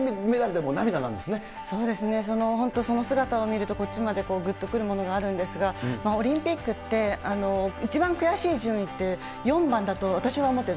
そうですね、本当その姿を見ると、こっちまでぐっとくるものがあるんですが、オリンピックって一番悔しい順位って４番だと、私は思ってる。